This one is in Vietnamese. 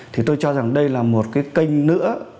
thì tôi cho rằng đây là một cái kênh nữa